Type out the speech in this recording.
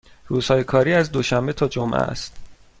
روزهای کاری از دوشنبه تا جمعه است.